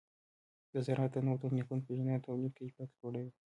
د زراعت د نوو تخنیکونو پیژندنه د تولید کیفیت لوړوي.